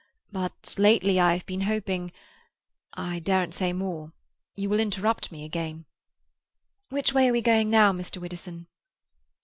But lately I have been hoping—I daren't say more. You will interrupt me again." "Which way are we going now, Mr. Widdowson?"